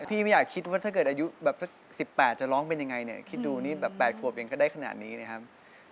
พี่ไม่อยากคิดว่าถ้าเกิดอายุแบบสัก๑๘จะร้องเป็นยังไงเนี่ยคิดดูนี่แบบ๘ขวบเองก็ได้ขนาดนี้นะครับ